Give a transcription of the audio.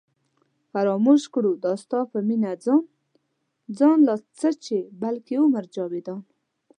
فراموش کړو دا ستا په مینه ځان ځان لا څه چې بلکې عمر جاوېدان